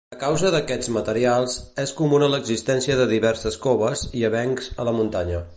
A causa d'aquests materials, és comuna l'existència de diverses coves i avencs a la muntanya.